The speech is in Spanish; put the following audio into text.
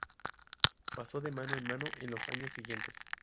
Paso de mano en mano en los años siguientes.